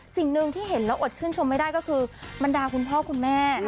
สิ่งหนึ่งที่เห็นแล้วอดชื่นชมไม่ได้ก็คือบรรดาคุณพ่อคุณแม่